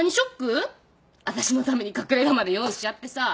私のために隠れ家まで用意しちゃってさ。